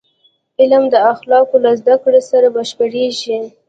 علم د اخلاقو له زدهکړې سره بشپړېږي.